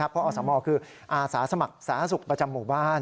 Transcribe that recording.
เพราะอสมคืออาสาสมัครสาธารณสุขประจำหมู่บ้าน